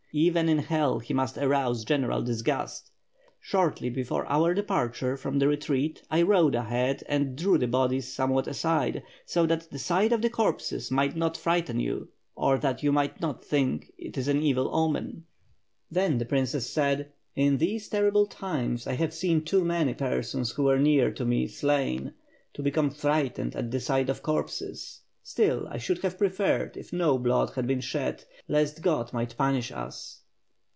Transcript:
Even in hell he must arouse general disgust. Shortly before our departure from the retreat, I rode ahead and drew the bodies some what aside, so that the sight of the corpses might not frighten jou, or that you might not think it an evil opien." 664 WITH FIRE AND SWORD, Then the princess said: — "In these terrible times, I have seen too many persons who were near to me slain, to become frightened at the sight of corpses, still, I should have preferred if no blood had been shed, lest God might punish us."